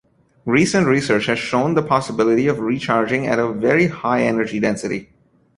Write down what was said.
Recent research has shown the possibility of recharging at a very high energy density.